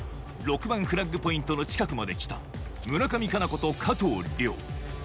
６番フラッグポイントの近くまで来た村上佳菜子と加藤諒